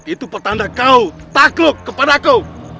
itu petanda kau takluk kepadaku